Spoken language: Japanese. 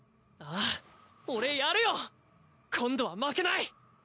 あぁ俺やるよ今度は負けない！